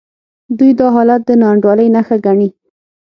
دوی دا حالت د ناانډولۍ نښه ګڼي.